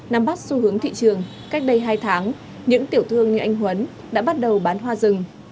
nắm bắt xu hướng thị trường cách đây hai tháng những tiểu thương như anh huấn đã bắt đầu bán hoa rừng